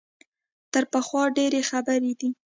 تر پخوا ډېرې خبرې دي.